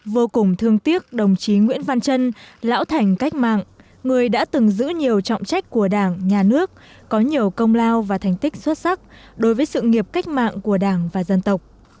vô cùng thương tiếc đồng chí nguyễn văn trân lão thành cách mạng người đã từng giữ nhiều trọng trách của đảng nhà nước có nhiều công lao và thành tích xuất sắc đối với sự nghiệp cách mạng của đảng và dân tộc